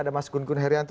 dan mas gun gun herianto